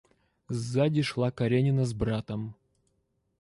Сзади шла Каренина с братом.